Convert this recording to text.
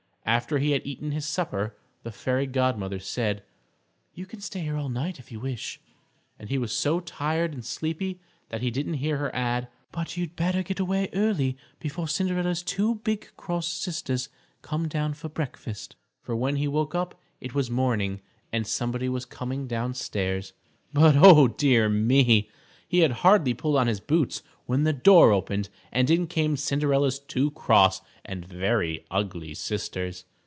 After he had eaten his supper the Fairy Godmother said, "You can stay here all night if you wish," and he was so tired and sleepy that he didn't hear her add, "but you'd better get away early before Cinderella's two big cross sisters come down for breakfast," for when he woke up it was morning and somebody was coming downstairs. But, oh, dear me! He had hardly pulled on his boots when the door opened, and in came Cinderella's two cross and very ugly sisters.